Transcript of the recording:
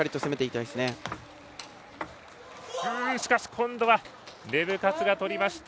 今度は、レブ・カツが取りました。